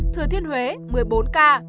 thừa thiên huế một mươi bốn ca